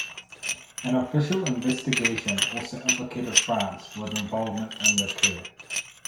An official investigation also implicated France with involvement in the coup.